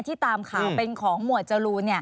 ตามข่าวเป็นของหมวดจรูน